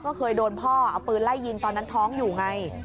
ก็เคยโดนพ่อเอาปืนไล่ยิงตอนนั้นท้องอยู่ไง